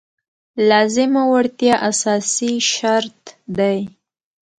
لازمه وړتیا اساسي شرط دی.